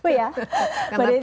biasanya karena keinginan